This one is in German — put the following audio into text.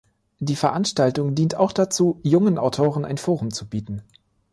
Die Veranstaltung dient auch dazu, jungen Autoren ein Forum zu bieten.